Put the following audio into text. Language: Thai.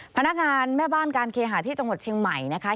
พนักงานแม่บ้านการเคหาที่จังหวัดเชียงใหม่นะคะ